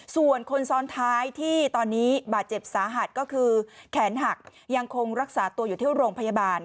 ส่วนคนซ้อนท้ายที่ตอนนี้บาดเจ็บสาหัสก็คือแขนหักยังคงรักษาตัวอยู่ที่โรงพยาบาล